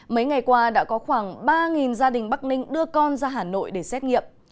mấy ngày qua đã có khoảng ba gia đình bắc ninh đưa con ra hà nội để xét nghiệm